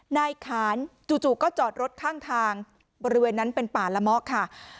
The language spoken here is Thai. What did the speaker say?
นายขานจู่ก็จอดรถข้างทางบริเวณนั้นเป็นป่าละเมาะค่ะ